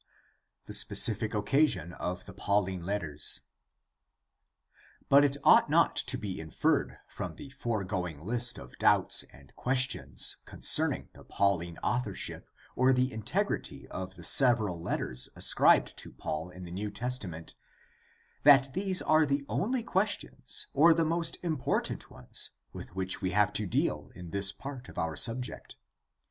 The specific occasion of the Pauline letters. — But it ought not to be inferred from the foregoing list of doubts and questions concerning the Pauline authorship or the integrity of the several letters ascribed to Paul in the New Testament that these are the only questions or the most important ones with which we have to deal in this part of our subject.